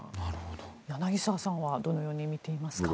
柳澤さんはどのように見ていますか？